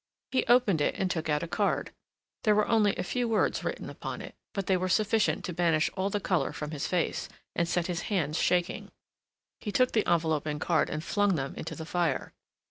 He opened it and took out a card. There were only a few words written upon it, but they were sufficient to banish all the colour from his face and set his hands shaking. He took the envelope and card and flung them into the fire.